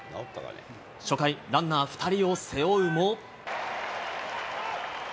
初回、ランナー２人を背負うも。